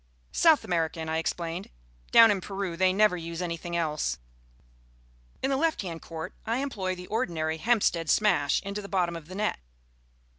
"South American," I explained. "Down in Peru they never use anything else." In the left hand court I employ the ordinary Hampstead Smash into the bottom of the net.